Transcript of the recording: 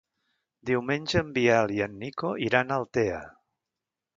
Diumenge en Biel i en Nico iran a Altea.